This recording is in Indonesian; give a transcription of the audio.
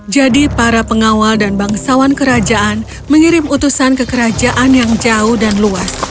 jadi para pengawal dan bangsawan kerajaan mengirim utusan ke kerajaan yang jauh dan luas